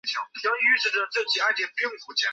兰吉巴曾效力于德黑兰塔吉于德黑兰帕斯。